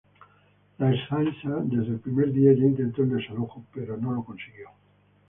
La Ertzaintza desde el primer día ya intentó el desalojo pero no lo consiguió.